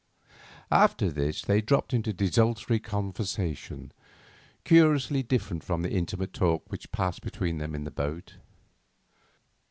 After this they dropped into desultory conversation, curiously different from the intimate talk which passed between them in the boat.